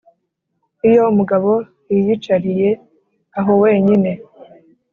iyo umugabo yiyicariye aho wenyine